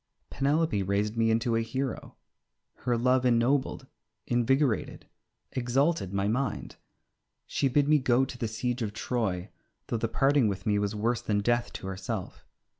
Penelope raised me into a hero. Her love ennobled, invigorated, exalted my mind. She bid me go to the siege of Troy, though the parting with me was worse than death to herself.